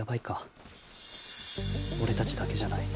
俺たちだけじゃない。